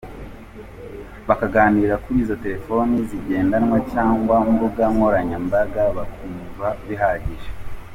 Bakaganirira kuri izo telefoni zigendanwa cyangwa ku mbuga nkoranyambaga, bakumva bihagije.